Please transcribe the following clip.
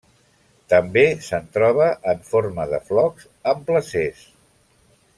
També se'n troba en forma de flocs en placers.